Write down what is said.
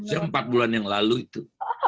yang empat bulan yang lalu itu